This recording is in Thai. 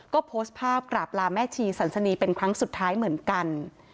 ก็โพสต์ภาพกราบลาแม่ชีสันสนีเป็นครั้งสุดท้ายเหมือนกัน